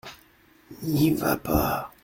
N’y va pas !